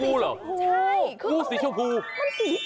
งูที่ชุกคุะ